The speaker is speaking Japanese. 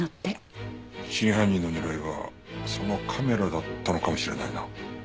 真犯人の狙いはそのカメラだったのかもしれないな。